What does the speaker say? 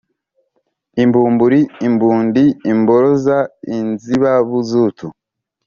i mbumburi, l mbundi, l mboroza, lnzibabuzutu